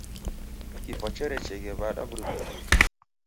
Kifwa cherecheeghe w'ada w'urumwengunyi?